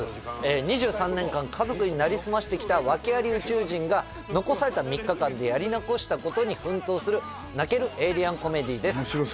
２３年間家族になりすましてきた訳あり宇宙人が残された３日間でやり残したことに奮闘する泣けるエイリアンコメディーです